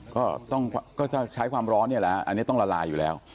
ก็จะใช้ความร้อนเนี่ยแหละอันนี้ต้องละลายอยู่แล้ว